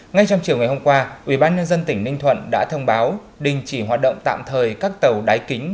ngay trong chiều ngày hôm qua ubnd tỉnh ninh thuận đã thông báo đình chỉ hoạt động tạm thời các tàu đáy kính